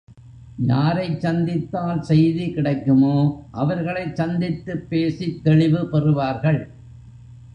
யாரைச் சந்தித்தால் செய்தி கிடைக்குமோ அவர்களைச் சந்தித்துப் பேசித் தெளிவு பெறுவார்கள்.